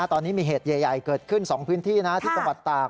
ตอนนี้มีเหตุใหญ่เกิดขึ้น๒พื้นที่ที่จังหวัดตาก